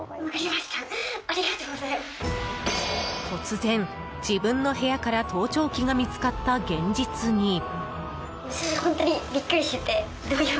突然、自分の部屋から盗聴機が見つかった現実に。